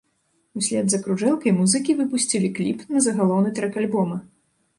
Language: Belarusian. Услед за кружэлкай музыкі выпусцілі кліп на загалоўны трэк альбома.